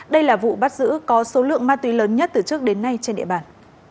đây là vụ bắt giữ có số lượng ma túy lớn nhất từ trước đến nay trên địa bàn